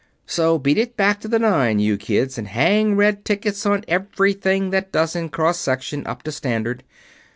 So beat it back to the Nine, you kids, and hang red tickets on everything that doesn't cross section up to standard.